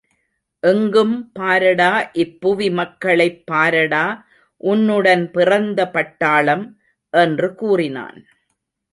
எங்கும் பாரடா இப்புவி மக்களைப் பாரடா உன்னுடன் பிறந்த பட்டாளம்! என்று கூறினான்.